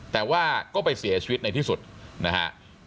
แต่ว่าก็ไปเสียชีวิตในที่สุดนะฮะ